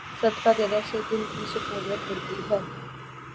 صدقہ دینے سے دل کی سکونیت ملتی ہے۔